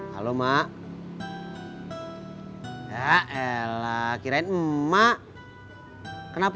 halo halo ma ya elah kirain emak kenapa